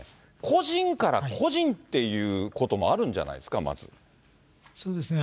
個人から個人っていうこともあるんじゃないですか、そうですね。